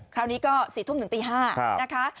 คราวนี้ก็๔ทุ่มถึงตี๕นะคะ